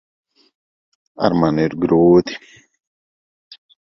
Ar mani ir grūti.